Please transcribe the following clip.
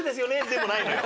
でもないのよ。